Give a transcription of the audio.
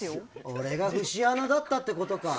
俺が節穴だったってことか。